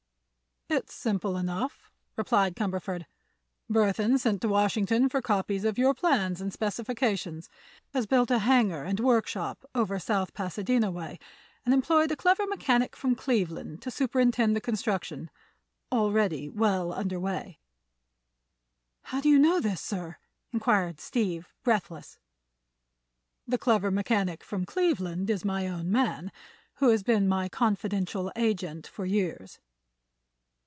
"It's simple enough," replied Cumberford. "Burthon sent to Washington for copies of your plans and specifications, has built a hangar and workshop over South Pasadena way, and employed a clever mechanic from Cleveland to superintend the construction—already well under way." "How do you know this, sir?" inquired Steve, breathless. "The clever mechanic from Cleveland is my own man, who has been my confidential agent for years."